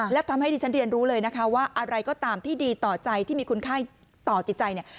และทำให้ดิฉันเรียนรู้เลยนะคะว่าอะไรก็ตามที่ดีต่อใจที่มีคุณค่าต่อจิตใจเนี่ย